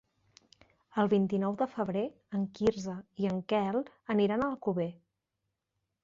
El vint-i-nou de febrer en Quirze i en Quel aniran a Alcover.